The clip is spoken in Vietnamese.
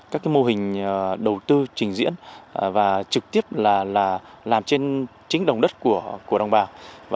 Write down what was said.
các mô hình đầu tư trình diễn và trực tiếp là làm trên chính đồng đất của đồng bào